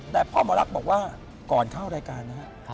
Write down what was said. แต่พ่อหมอลักษณ์บอกว่าก่อนเข้ารายการนะฮะ